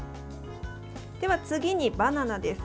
では次にバナナです。